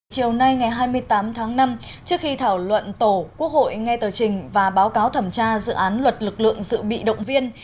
chiều nay ngày hai mươi tám tháng năm trước khi thảo luận tổ quốc hội nghe tờ trình và báo cáo thẩm tra dự án luật lực lượng dự bị động viên